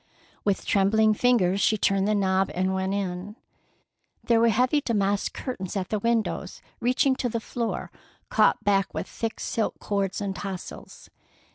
With trembling fingers she turned the knob and went in. There were heavy damask curtains at the windows, reaching to the floor, caught back with thick silk cords and tassels.